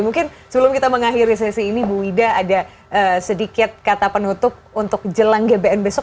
mungkin sebelum kita mengakhiri sesi ini bu wida ada sedikit kata penutup untuk jelang gbn besok